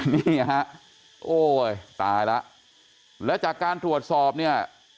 นี่ฮะโอ้ยตายแล้วแล้วจากการตรวจสอบเนี่ย